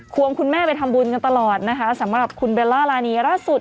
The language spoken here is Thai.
คุณแม่ไปทำบุญกันตลอดนะคะสำหรับคุณเบลล่ารานีล่าสุด